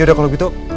ya udah kalau gitu